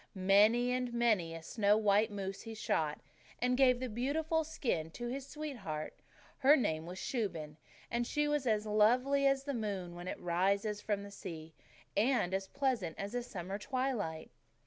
Many and many a snow white moose he shot, and gave the beautiful skin to his sweetheart. Her name was Shuben and she was as lovely as the moon when it rises from the sea, and as pleasant as a summer twilight.